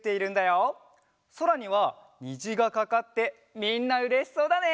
そらにはにじがかかってみんなうれしそうだね！